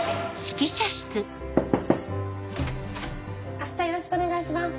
あしたよろしくお願いします。